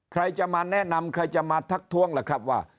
ใครจะมาแนะนำใครจะมาทักท้วงล่ะครับว่า